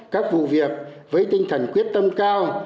các vụ việc với tinh thần quyết tâm cao